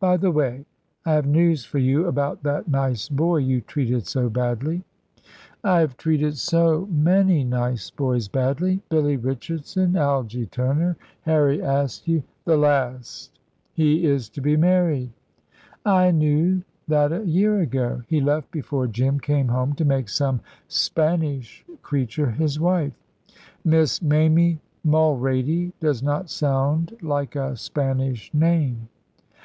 By the way, I have news for you about that nice boy you treated so badly." "I have treated so many nice boys badly. Billy Richardson, Algy Turner, Harry Askew " "The last. He is to be married." "I knew that a year ago. He left before Jim came home to make some Spanish creature his wife." "Miss Mamie Mulrady does not sound like a Spanish name."